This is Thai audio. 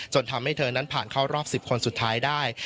ทำให้เธอนั้นผ่านเข้ารอบ๑๐คนสุดท้ายได้